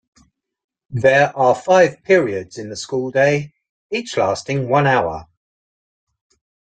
There are five periods in the school day, each lasting one hour.